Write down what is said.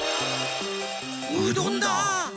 うどんだ！